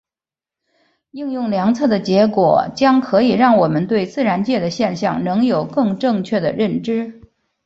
应用量测的结果将可以让我们对自然界的现象能有更正确的认知。